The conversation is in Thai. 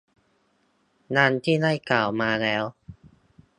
ดังที่ได้กล่าวมาแล้ว